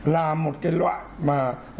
là một cái loại mà